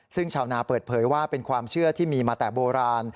ซึ่งชาวนาเปิดเผยว่าเป็นความเชื่อที่มีมาแต่โบราณ